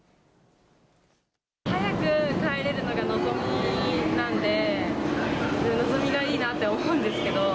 早く帰れるのがのぞみなんで、のぞみがいいなって思うんですけど。